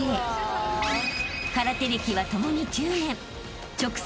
［空手歴はともに１０年］